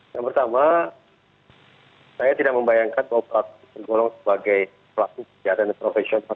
yang pertama saya tidak membayangkan bahwa pelaku tergolong sebagai pelaku kejahatan profesional